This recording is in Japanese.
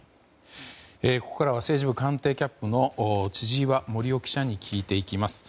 ここからは政治部官邸キャップの千々岩森生記者に聞いていきます。